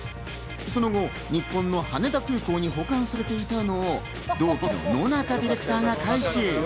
その後、日本の羽田空港に保管されていたのを同期の野中ディレクターが回収。